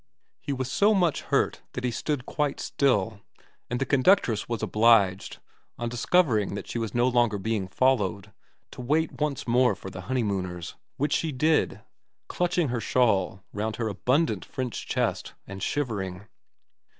He was so much hurt that he stood quite still, and the conductress was obliged, on discovering that she was no longer being followed, to wait once more for the honeymooners ; which she did, clutching her shawl round her abundant French chest and shivering.